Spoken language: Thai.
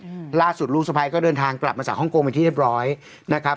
อืมล่าสุดลูกสะพ้ายก็เดินทางกลับมาจากฮ่องกงเป็นที่เรียบร้อยนะครับ